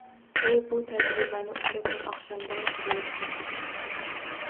U bu tajribani oʻsha kun oqshomdayoq qoʻllashga kirishdi